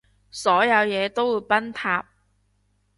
所有嘢都會崩塌